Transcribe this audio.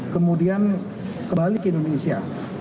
kemudian kembali ke indonesia